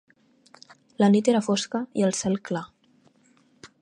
La nit era fosca i el cel clar.